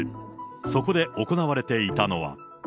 そこで行われていたのは。